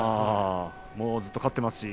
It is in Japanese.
ずっと勝っていますね。